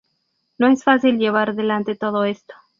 No es fácil llevar adelante todo esto.